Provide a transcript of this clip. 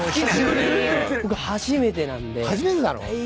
初めてなの？